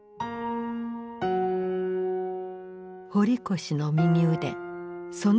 堀越の右腕曾根